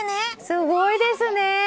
すごいですね。